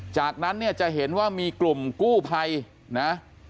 จากนั้นเนี่ยจะเห็นว่ามีกลุ่มกู้ภัยนะ